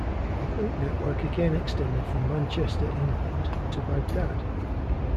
The route network again extended from Manchester, England, to Baghdad.